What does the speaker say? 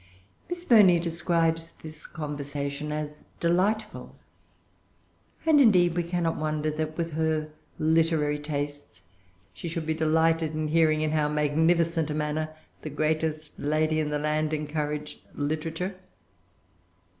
Miss Burney describes this conversation as delightful; and, indeed, we cannot wonder that, with her literary tastes, she should be delighted at hearing in how magnificent a manner the greatest lady in the land encouraged literature.